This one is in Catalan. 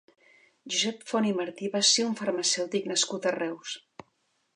Josep Font i Martí va ser un farmacèutic nascut a Reus.